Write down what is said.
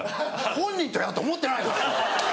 本人とやると思ってないから。